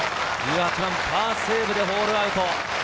パーセーブでホールアウト。